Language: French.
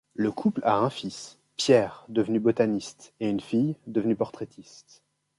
Le couple a un fils, Pierre, devenu botaniste et une fille devenue portraitiste.